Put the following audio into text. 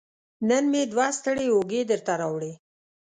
نن مې دوه ستړې اوږې درته راوړي